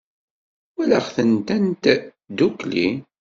Walaɣ-tent ddant ddukkli.